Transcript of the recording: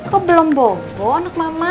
kok belum bobo anak mama